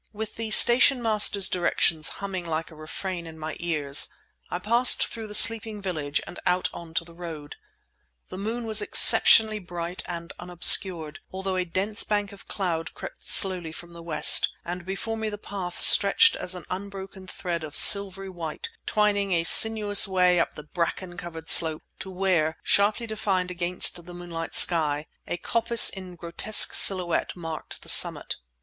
With the station master's directions humming like a refrain in my ears, I passed through the sleeping village and out on to the road. The moon was exceptionally bright and unobscured, although a dense bank of cloud crept slowly from the west, and before me the path stretched as an unbroken thread of silvery white twining a sinuous way up the bracken covered slope, to where, sharply defined against the moonlight sky, a coppice in grotesque silhouette marked the summit.